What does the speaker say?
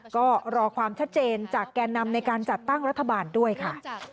ก็รอความชัดเจนจากแก่นำในการจัดตั้งรัฐบาลด้วยค่ะ